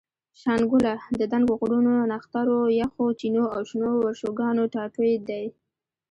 شانګله د دنګو غرونو، نخترو، یخو چینو او شنو ورشوګانو ټاټوبے دے